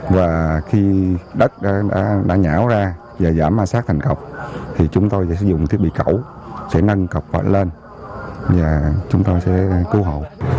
và khi đất đã nhảo ra và giảm ma sát thành cọp chúng tôi sẽ sử dụng thiết bị cẩu sẽ nâng cọp lên và chúng tôi sẽ cứu hộ